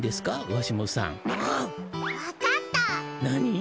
何？